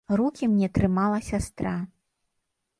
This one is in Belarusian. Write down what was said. Рукі мне трымала сястра.